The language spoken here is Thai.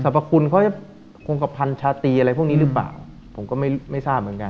พระคุณเขาจะคงกระพันชาตรีอะไรพวกนี้หรือเปล่าผมก็ไม่ไม่ทราบเหมือนกัน